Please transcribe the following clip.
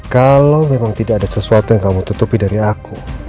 kalau memang tidak ada sesuatu yang kamu tutupi dari aku